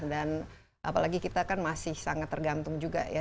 dan apalagi kita kan masih sangat tergantung juga ya